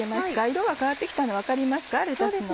色が変わって来たの分かりますかレタスの。